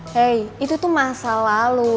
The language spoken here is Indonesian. hei itu tuh masa lalu